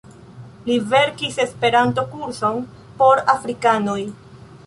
Li verkis Esperanto-kurson por afrikanoj.